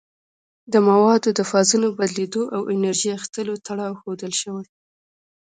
د موادو د فازونو بدلیدو او انرژي اخیستلو تړاو ښودل شوی.